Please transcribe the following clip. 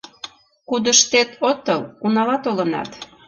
Кудыштет отыл — унала толынат.